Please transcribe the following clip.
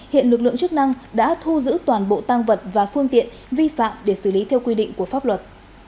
hiện lực lượng chức năng đã thu giữ toàn bộ tăng vật và phương tiện vi phạm để xử lý theo quy định của pháp luật